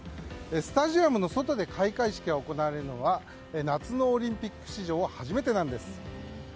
スタジアムの外で開会式が行われるのは夏のオリンピック史上初めてなんです。